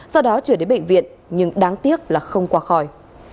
sau đó chuyển đến bệnh viện nhưng đáng tiếc là không qua khỏi